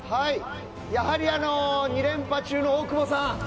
やはり、２連覇中の大久保さん。